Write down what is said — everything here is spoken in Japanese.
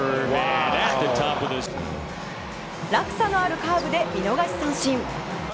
落差のあるカーブで見逃し三振。